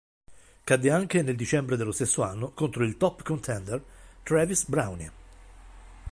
Cadde anche nel dicembre dello stesso anno contro il top contender Travis Browne.